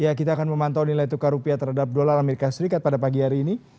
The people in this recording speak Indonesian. ya kita akan memantau nilai tukar rupiah terhadap dolar amerika serikat pada pagi hari ini